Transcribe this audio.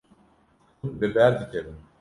Hûn li ber dikevin.